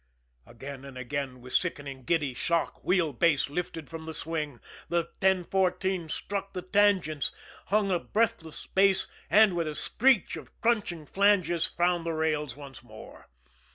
Again and again, with sickening, giddy shock, wheel base lifted from the swing, the 1014 struck the tangents, hung a breathless space, and, with a screech of crunching flanges, found the rails once more.